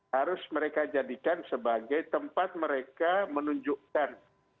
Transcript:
harus mereka jadikan sebagai tempat mereka menunjukkan